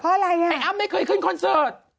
เพราะอะไรอ่ะไอ้อ้ำไม่เคยขึ้นคอนเสิร์ต